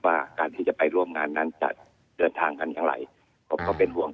ว่าการที่จะไปร่วมงานนั้นจะเดินทางกันอย่างไรผมก็เป็นห่วง